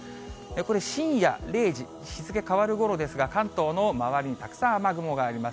これ、深夜０時、日付変わるころですが、関東の周りにたくさん雨雲があります。